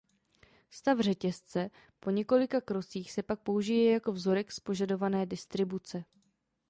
Stav řetězce po několika krocích se pak použije jako vzorek z požadované distribuce.